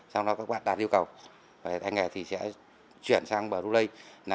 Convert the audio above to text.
sau đó các bạn đạt yêu cầu thay nghề thì sẽ chuyển sang brunei